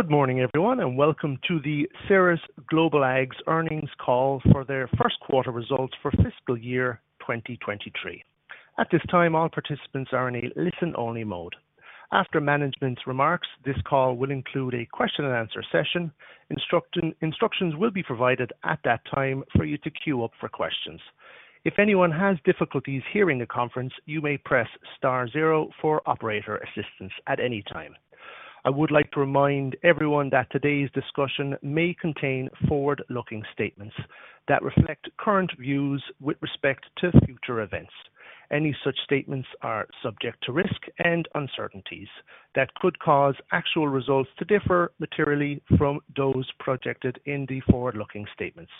Good morning everyone, and welcome to the Ceres Global Ag's earnings call for their Q1 results for FY 2023. At this time, all participants are in a listen-only mode. After management's remarks, this call will include a question-and-answer session. Instructions will be provided at that time for you to queue up for questions. If anyone has difficulties hearing the conference, you may press star zero for operator assistance at any time. I would like to remind everyone that today's discussion may contain forward-looking statements that reflect current views with respect to future events. Any such statements are subject to risk and uncertainties that could cause actual results to differ materially from those projected in the forward-looking statements.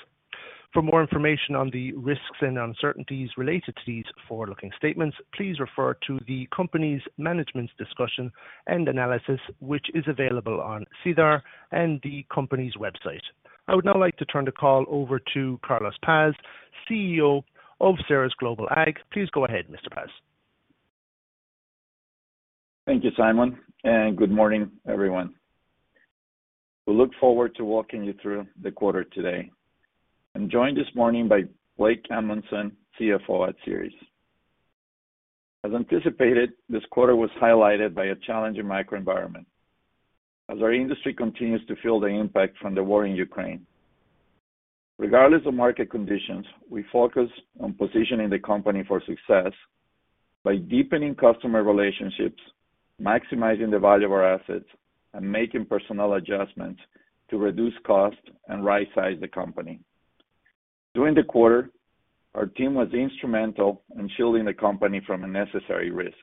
For more information on the risks and uncertainties related to these forward-looking statements, please refer to the company's management's discussion and analysis, which is available on SEDAR and the company's website. I would now like to turn the call over to Carlos Paz, CEO of Ceres Global Ag. Please go ahead, Mr. Paz. Thank you, Simon, and good morning everyone. We look forward to walking you through the quarter today. I'm joined this morning by Blake Amundson, CFO at Ceres. As anticipated, this quarter was highlighted by a challenging microenvironment as our industry continues to feel the impact from the war in Ukraine. Regardless of market conditions, we focus on positioning the company for success by deepening customer relationships, maximizing the value of our assets, and making personnel adjustments to reduce costs and right-size the company. During the quarter, our team was instrumental in shielding the company from unnecessary risks.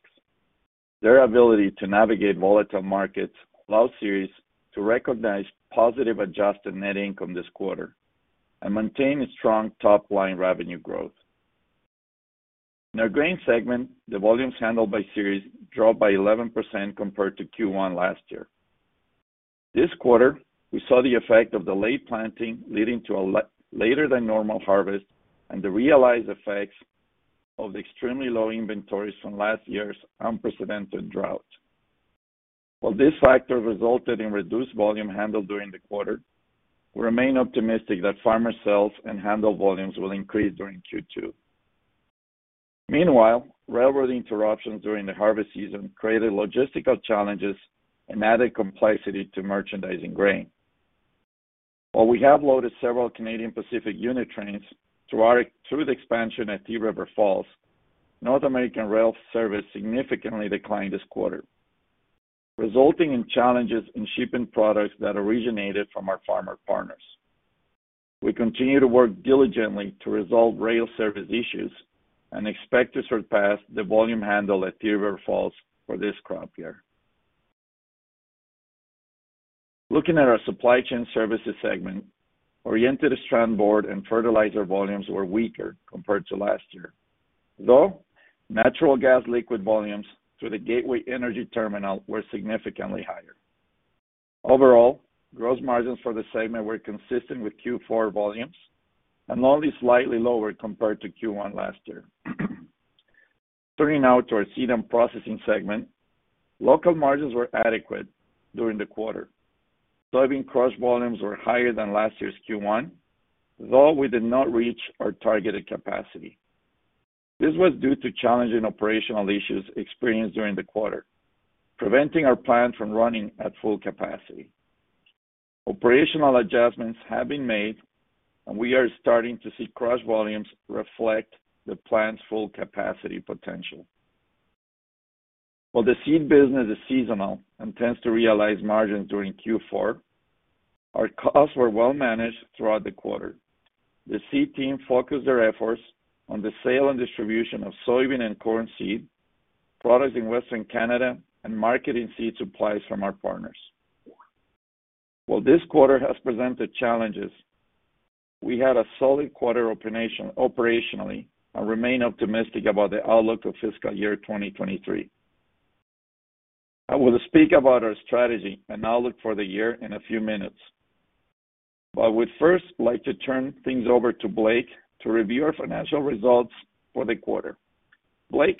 Their ability to navigate volatile markets allowed Ceres to recognize positive adjusted net income this quarter and maintain a strong top-line revenue growth. In our grain segment, the volumes handled by Ceres dropped by 11% compared to Q1 last year. This quarter, we saw the effect of the late planting leading to a later than normal harvest and the realized effects of the extremely low inventories from last year's unprecedented drought. While this factor resulted in reduced volume handled during the quarter, we remain optimistic that farmer sales and handle volumes will increase during Q2. Meanwhile, railway interruptions during the harvest season created logistical challenges and added complexity to merchandising grain. While we have loaded several Canadian Pacific unit trains through the expansion at Thief River Falls, North American rail service significantly declined this quarter, resulting in challenges in shipping products that originated from our farmer partners. We continue to work diligently to resolve rail service issues and expect to surpass the volume handle at Thief River Falls for this crop year. Looking at our supply chain services segment, oriented strand board and fertilizer volumes were weaker compared to last year, though natural gas liquid volumes through the Gateway Energy Terminal were significantly higher. Overall, gross margins for the segment were consistent with Q4 volumes and only slightly lower compared to Q1 last year. Turning now to our seed and processing segment, local margins were adequate during the quarter. Soybean crush volumes were higher than last year's Q1, though we did not reach our targeted capacity. This was due to challenging operational issues experienced during the quarter, preventing our plant from running at full capacity. Operational adjustments have been made, and we are starting to see crush volumes reflect the plant's full capacity potential. While the seed business is seasonal and tends to realize margins during Q4, our costs were well managed throughout the quarter. The seed team focused their efforts on the sale and distribution of soybean and corn seed products in Western Canada and marketing seed supplies from our partners. While this quarter has presented challenges, we had a solid quarter operationally and remain optimistic about the outlook of FY 2023. I will speak about our strategy and outlook for the year in a few minutes, but I would first like to turn things over to Blake to review our financial results for the quarter. Blake.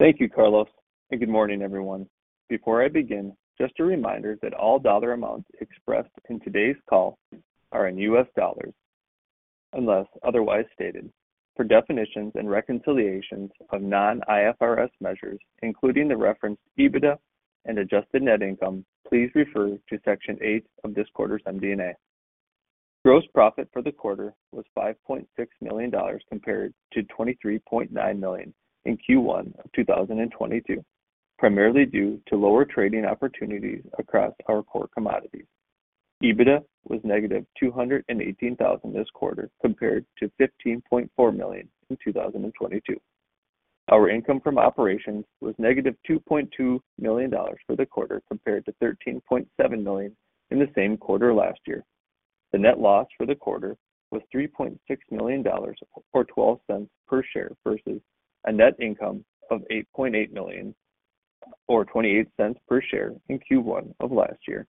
Thank you, Carlos, and good morning, everyone. Before I begin, just a reminder that all dollar amounts expressed in today's call are in US dollars unless otherwise stated. For definitions and reconciliations of non-IFRS measures, including the referenced EBITDA and adjusted net income, please refer to section 8 of this quarter's MD&A. Gross profit for the quarter was $5.6 million compared to $23.9 million in Q1 of 2022, primarily due to lower trading opportunities across our core commodities. EBITDA was -$218,000 this quarter compared to $15.4 million in 2022. Our income from operations was -$2.2 million for the quarter, compared to $13.7 million in the same quarter last year. The net loss for the quarter was $3.6 million, or $0.12 per share, versus a net income of $8.8 million or $0.28 per share in Q1 of last year.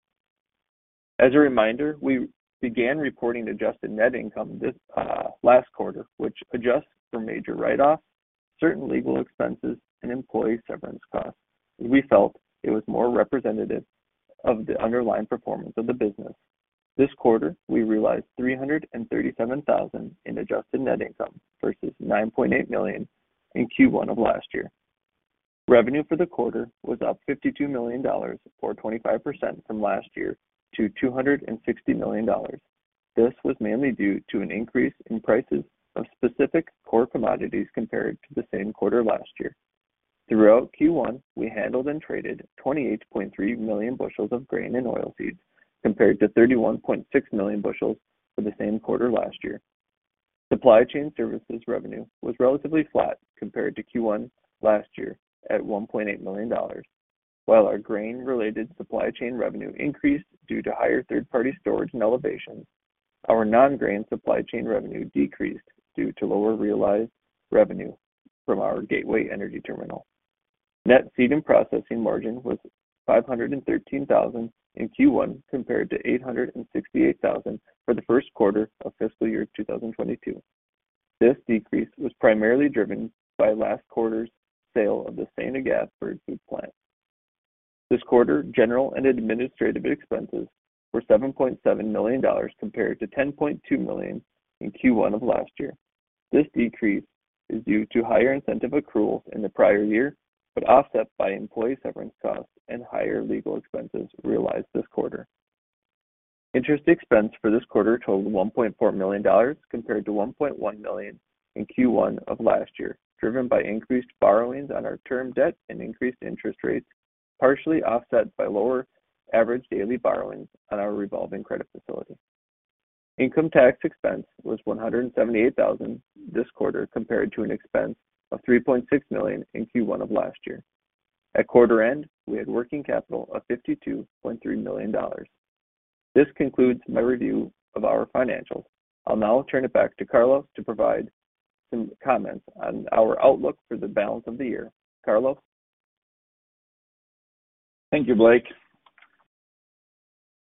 As a reminder, we began reporting adjusted net income this last quarter, which adjusts for major write-offs, certain legal expenses, and employee severance costs. We felt it was more representative of the underlying performance of the business. This quarter, we realized $337,000 in adjusted net income versus $9.8 million in Q1 of last year. Revenue for the quarter was up $52 million or 25% from last year to $260 million. This was mainly due to an increase in prices of specific core commodities compared to the same quarter last year. Throughout Q1, we handled and traded 28.3 million bushels of grain and oil seeds, compared to 31.6 million bushels for the same quarter last year. Supply chain services revenue was relatively flat compared to Q1 last year at $1.8 million. While our grain-related supply chain revenue increased due to higher third-party storage and elevators, our non-grain supply chain revenue decreased due to lower realized revenue from our Gateway Energy Terminal. Net seed and processing margin was $513,000 in Q1, compared to $868,000 for the Q1 of FY 2022. This decrease was primarily driven by last quarter's sale of the Ste. Agathe food plant. This quarter, general and administrative expenses were $7.7 million compared to $10.2 million in Q1 of last year. This decrease is due to higher incentive accruals in the prior year, but offset by employee severance costs and higher legal expenses realized this quarter. Interest expense for this quarter totaled $1.4 million compared to $1.1 million in Q1 of last year, driven by increased borrowings on our term debt and increased interest rates, partially offset by lower average daily borrowings on our revolving credit facility. Income tax expense was $178,000 this quarter, compared to an expense of $3.6 million in Q1 of last year. At quarter end, we had working capital of $52.3 million. This concludes my review of our financials. I'll now turn it back to Carlos to provide some comments on our outlook for the balance of the year. Carlos. Thank you, Blake.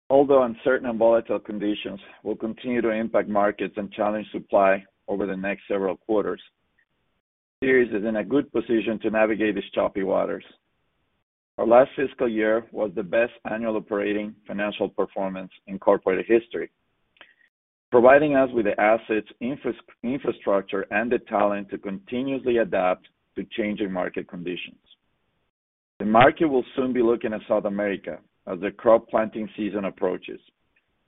Although uncertain and volatile conditions will continue to impact markets and challenge supply over the next several quarters, Ceres is in a good position to navigate these choppy waters. Our last fiscal year was the best annual operating financial performance in corporate history, providing us with the assets, infrastructure, and the talent to continuously adapt to changing market conditions. The market will soon be looking at South America as the crop planting season approaches.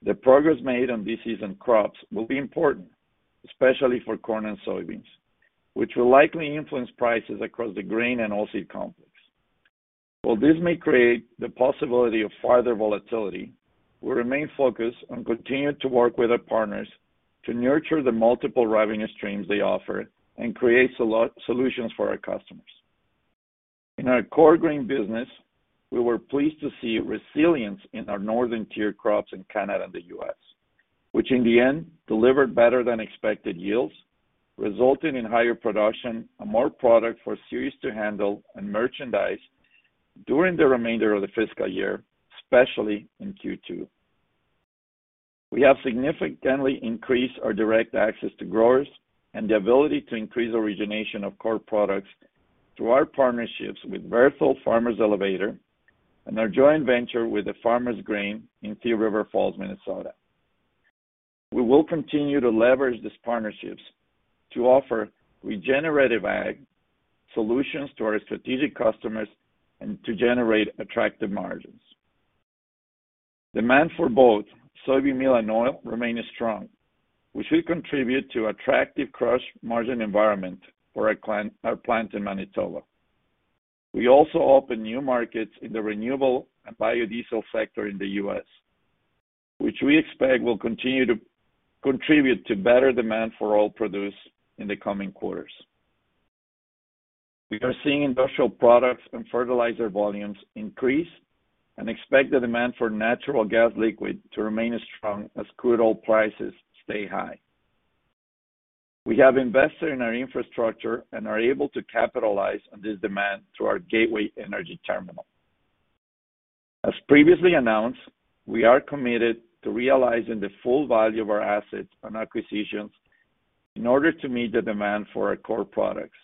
The progress made on this season's crops will be important, especially for corn and soybeans, which will likely influence prices across the grain and oilseed complex. While this may create the possibility of further volatility, we remain focused on continuing to work with our partners to nurture the multiple revenue streams they offer and create solutions for our customers. In our core grain business, we were pleased to see resilience in our northern tier crops in Canada and the U.S., which in the end delivered better-than-expected yields, resulting in higher production and more product for Ceres to handle and merchandise during the remainder of the fiscal year, especially in Q2. We have significantly increased our direct access to growers and the ability to increase origination of core products through our partnerships with Berthold Farmers Elevator and our joint venture with the Farmers Grain in Thief River Falls, Minnesota. We will continue to leverage these partnerships to offer regenerative ag solutions to our strategic customers and to generate attractive margins. Demand for both soybean meal and oil remains strong, which will contribute to attractive crush margin environment for our plant in Manitoba. We also open new markets in the renewable and biodiesel sector in the U.S., which we expect will continue to contribute to better demand for oil produced in the coming quarters. We are seeing industrial products and fertilizer volumes increase and expect the demand for natural gas liquid to remain as strong as crude oil prices stay high. We have invested in our infrastructure and are able to capitalize on this demand through our Gateway Energy Terminal. As previously announced, we are committed to realizing the full value of our assets and acquisitions in order to meet the demand for our core products.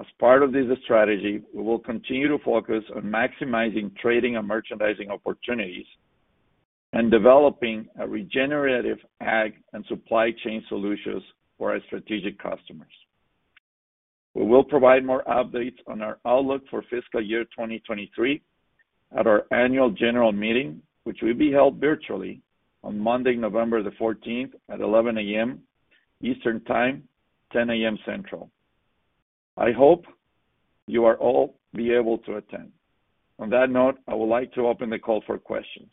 As part of this strategy, we will continue to focus on maximizing trading and merchandising opportunities and developing a regenerative ag and supply chain solutions for our strategic customers. We will provide more updates on our outlook for FY 2023 at our annual general meeting, which will be held virtually on Monday, November 14, at 11:00 A.M. Eastern Time, 10:00 A.M. Central. I hope you all are able to attend. On that note, I would like to open the call for questions.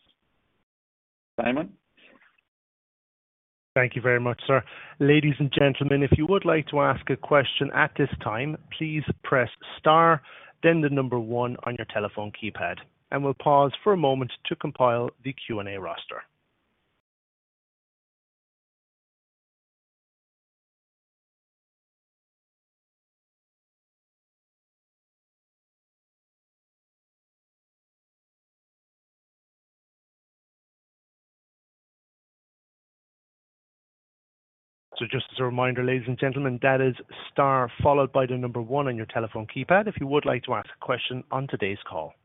Simon. Thank you very much, sir. Ladies and gentlemen, if you would like to ask a question at this time, please press star, then the number one on your telephone keypad, and we'll pause for a moment to compile the Q&A roster. Just as a reminder, ladies and gentlemen, that is star followed by the number one on your telephone keypad if you would like to ask a question on today's call.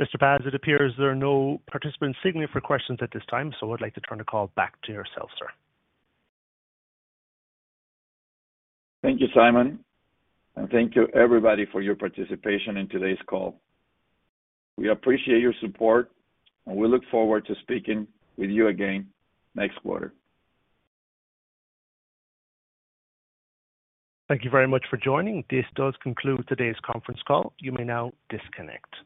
Mr. Paz, it appears there are no participants signaling for questions at this time, so I'd like to turn the call back to yourself, sir. Thank you, Simon, and thank you everybody for your participation in today's call. We appreciate your support, and we look forward to speaking with you again next quarter. Thank you very much for joining. This does conclude today's conference call. You may now disconnect.